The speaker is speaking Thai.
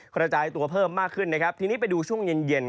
กระจายตัวเพิ่มมากขึ้นนะครับทีนี้ไปดูช่วงเย็นเย็น